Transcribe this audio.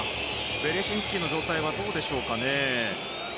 ベレシンスキの状態はどうでしょうかね。